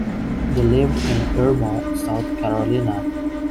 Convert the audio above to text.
They live in Irmo, South Carolina.